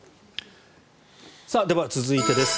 では、続いてです。